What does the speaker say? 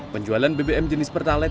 penjualan bbm jenis pertalat